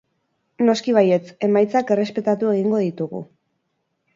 Noski baietz, emaitzak errespetatu egingo ditugu.